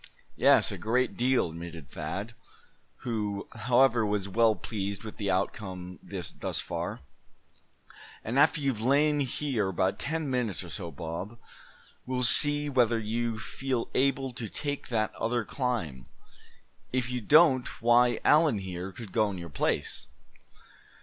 "Yes, a great deal," admitted Thad, who, however, was well pleased with the outcome thus far; "and after you've lain here about ten minutes or so, Bob, we'll see whether you feel able to take that other climb. If you don't why, Allan here could go in your place."